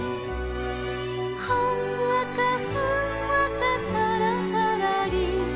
「ほんわかふんわかそろそろり」